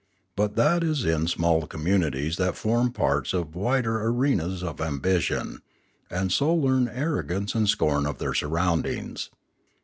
But that is in small communities that form parts of wider arenas of ambition, and so learn arrogance and scorn of their surroundings.